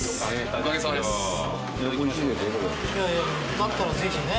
だったらぜひね。